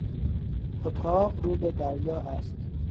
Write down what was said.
اتاق رو به دریا است.